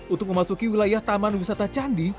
untuk memasuki wilayah taman wisata candi